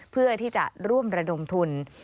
เพื่อที่จะร่วมระดมทุน